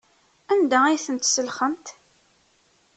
Anda ay tent-tselxemt?